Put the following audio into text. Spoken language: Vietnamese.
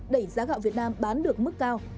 đẩy giá gạo việt nam bán được mức cao